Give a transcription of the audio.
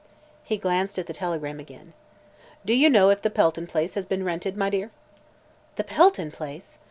He glanced at the telegram again. "Do you know if the Pelton place has been rented, my dear?" "The Pelton place?